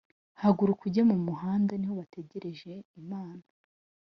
Haguruka ujye mumuhanda niho bategereje imana